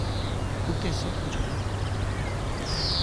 اتي سڀ ڪجهه آهي.